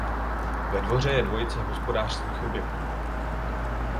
Ve dvoře je dvojice hospodářských objektů.